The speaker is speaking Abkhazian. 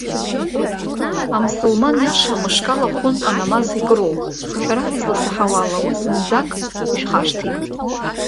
Амсылман иаша мышкала хәынтә анамаз икыроуп, шәара, изласаҳауа ала, уи зынӡак ишәхашҭит!